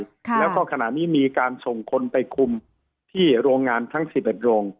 ค่ะแล้วก็ขณะนี้มีการส่งคนไปคุมที่โรงงานทั้งสิบเอ็ดโรง